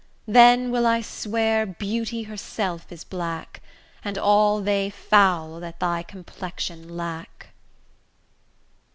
Then will I swear beauty herself is black, And all they foul that thy complexion lack.